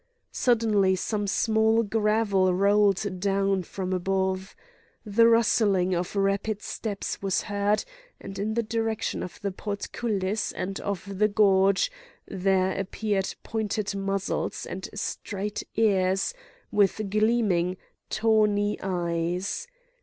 Suddenly some small gravel rolled down from above. The rustling of rapid steps was heard, and in the direction of the portcullis and of the gorge there appeared pointed muzzles and straight ears, with gleaming, tawny eyes.